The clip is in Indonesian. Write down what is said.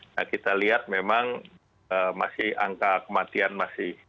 nah kita lihat memang masih angka kematian masih